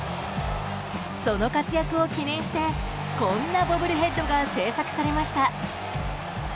その活躍を記念してこんなボブルヘッドが製作されました。